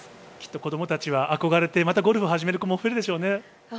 子供たちは憧れて、またゴルフを始める子も増えるでしょうね。